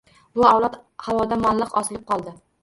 Bu avlod... havoda muallaq osilib qoldi.